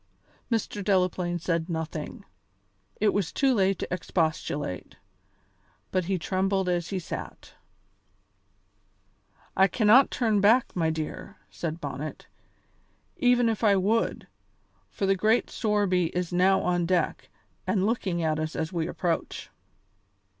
Mr. Delaplaine said nothing. It was too late to expostulate, but he trembled as he sat. "I cannot turn back, my dear," said Bonnet, "even if I would, for the great Sorby is now on deck, and looking at us as we approach."